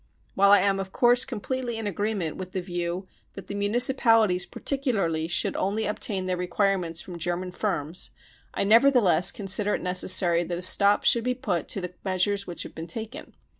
While I am of course completely in agreement with the view that the municipalities particularly should only obtain their requirements from German firms, I nevertheless consider it necessary that a stop should be put to the measures which have been taken.